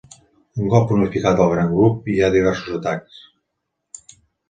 Un cop unificat el gran grup hi ha diversos atacs.